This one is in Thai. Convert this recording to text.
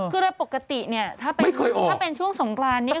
คือปกติถ้าเป็นช่วงสงกรานนี้